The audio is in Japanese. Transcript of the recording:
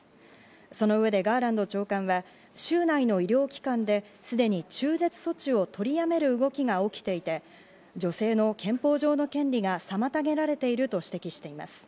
その上でガーランド長官は州内の医療機関ですでに中絶措置を取りやめる動きが起きていて、女性の憲法上の権利が妨げられていると指摘しています。